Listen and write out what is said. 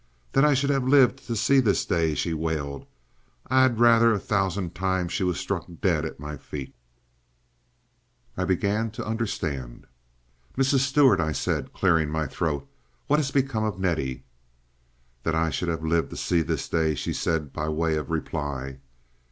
"That I should have lived to see this day!" she wailed. "I had rather a thousand times she was struck dead at my feet." I began to understand. "Mrs. Stuart," I said, clearing my throat; "what has become of Nettie?" "That I should have lived to see this day!" she said by way of reply.